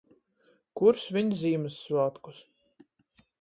Kur sviņ Zīmyssvātkus.